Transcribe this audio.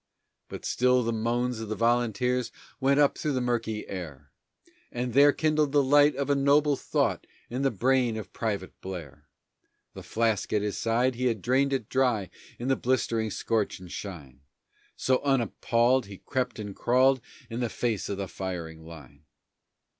But still the moans of the volunteers went up through the murky air, And there kindled the light of a noble thought in the brain of Private Blair. The flask at his side, he had drained it dry in the blistering scorch and shine, So, unappalled, he crept and crawled in the face of the firing line.